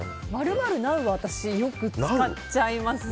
○○なうは私、よく使っちゃいますね。